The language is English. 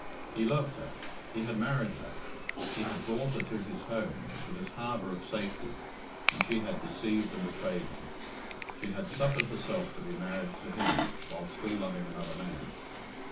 He loved her; he had married her; he had brought her to his home, to this harbour of safety, and she had deceived and betrayed him she had suffered herself to be married to him while still loving another man.